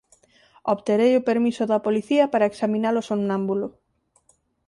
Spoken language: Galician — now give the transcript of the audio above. Obterei o permiso da policía para examinalo somnámbulo...